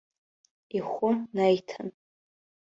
Ихәы наиҭан.